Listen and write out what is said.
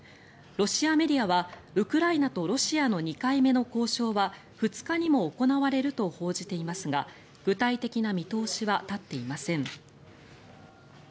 ロシアメディアはウクライナとロシアの２回目の交渉は２日にも行われると報じていますが具体的な見通しは立っていません。